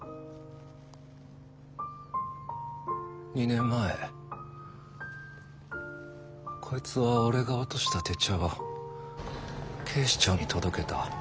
２年前こいつは俺が落とした手帳を警視庁に届けた。